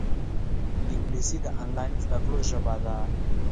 انګلیسي د آنلاین زده کړو ژبه ده